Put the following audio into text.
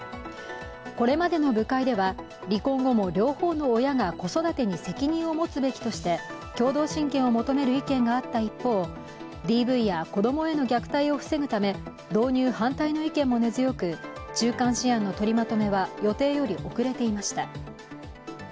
これまでの部会では離婚後も両方の親が子育てに責任を持つべきとして共同親権を求める意見があった一方、ＤＶや子供への虐待を防ぐため導入反対の意見も根強く、中間試案のとりまとめは予定より遅れていました。